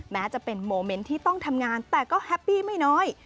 แม้จะเป็นโมเมนต์ที่ต้องทำงานแต่ก็แฮปปี้ไม่น้อย